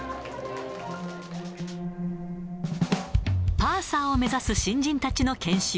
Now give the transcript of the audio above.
パーサーを目指す新人たちの研修。